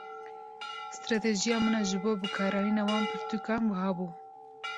Stratejiya min a ji bo bikaranîna van pirtûkan wiha bû.